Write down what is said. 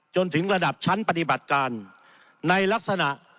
จนถึงระดับชั้นปฏิบัติการในลักษณะ